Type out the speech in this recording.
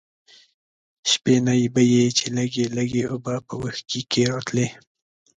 شپېنۍ به یې چې لږې لږې اوبه په وښکي کې راتلې.